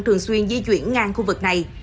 thường xuyên di chuyển ngang khu vực này